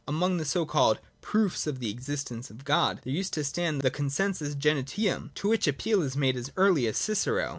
Among the so called proofs of the existence of God, there used to stand the consensus gentium, to which appeal is made as early as Cicero.